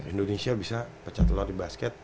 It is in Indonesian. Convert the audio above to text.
indonesia bisa pecah telur di basket